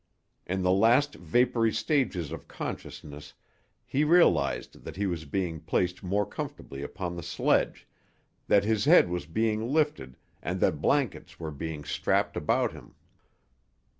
In the last vapoury stages of consciousness he realised that he was being placed more comfortably upon the sledge, that his head was being lifted and that blankets were being strapped about him.